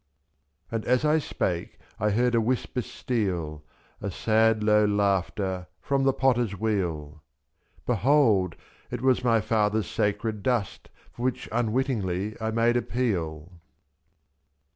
And as I spake I heard a whisper steal, A sad low laughter, from the potter's wheel, — /4/. Behold! it was my father's sacred dust For which unwittingly I made appeal.